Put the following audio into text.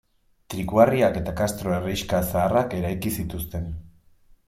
Trikuharriak eta kastro herrixka zaharrak eraiki zituzten.